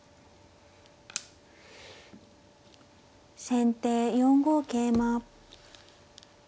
先手４五桂馬。